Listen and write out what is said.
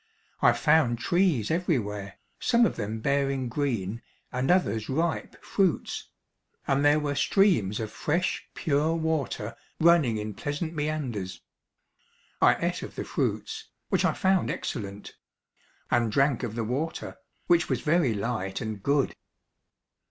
I found trees everywhere, some of them bearing green, and others ripe fruits; and there were streams of fresh, pure water running in pleasant meanders. I ate of the fruits, which I found excellent; and drank of the water, which was very light and good.